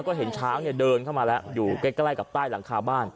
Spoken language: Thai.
ก็เห็นช้างเดินเข้ามาแล้วอยู่ใกล้กับใต้หลังคาบ้าน